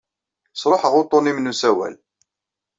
Sṛuḥeɣ uḍḍun-nnem n usawal.